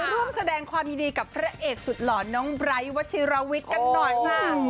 ร่วมแสดงความยินดีกับพระเอกสุดหล่อนน้องไบร์ทวัชิรวิทย์กันหน่อยค่ะ